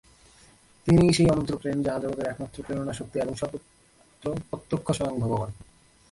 তিনিই সেই অনন্ত প্রেম, যাহা জগতের একমাত্র প্রেরণা-শক্তি এবং সর্বত্র প্রত্যক্ষ স্বয়ং ভগবান্।